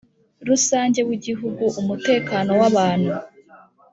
Rusange w igihugu umutekano w abantu